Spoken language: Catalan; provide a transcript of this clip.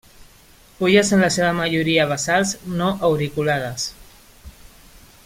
Fulles en la seva majoria basals; no auriculades.